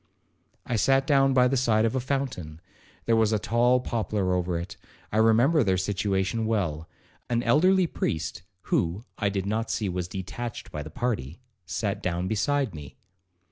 I sat down by the side of a fountain,—there was a tall poplar over it,—I remember their situation well. An elderly priest (who, I did not see, was detached by the party) sat down beside me.